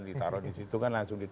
ditaruh di situ kan langsung